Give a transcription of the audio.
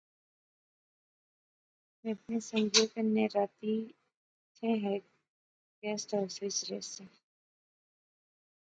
میں اپنے سنگئیں کنے راتی اتھیں ہیک گیسٹ ہائوس وچ رہیس